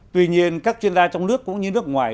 tuy nhiên các chuyên gia trong nước cũng như nước ngoài